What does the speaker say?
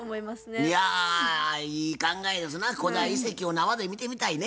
いやいい考えですな古代遺跡を生で見てみたいね。